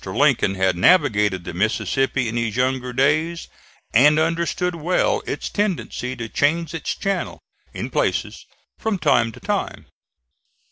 Lincoln had navigated the Mississippi in his younger days and understood well its tendency to change its channel, in places, from time to time.